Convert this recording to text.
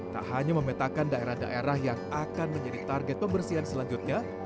tak hanya memetakan daerah daerah yang akan menjadi target pembersihan selanjutnya